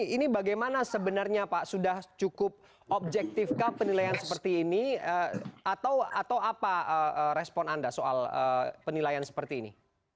ini bagaimana sebenarnya pak sudah cukup objektifkah penilaian seperti ini atau apa respon anda soal penilaian seperti ini